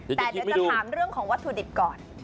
แต่เดี๋ยวจะถามเรื่องของวัตถุดิบก่อน